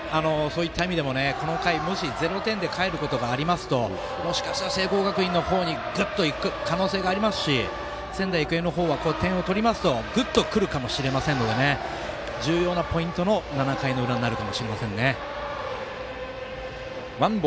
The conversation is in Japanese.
この回、もし０点で帰ることがありますともしかしたら聖光学院の方にぐっといく可能性がありますし仙台育英の方は点を取りますとぐっと来るかもしれませんので重要なポイントの７回の裏になるかもしれません。